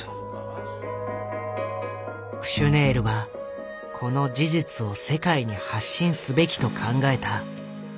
クシュネールはこの事実を世界に発信すべきと考えた。